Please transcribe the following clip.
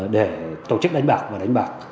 để tổ chức đánh bạc và đánh bạc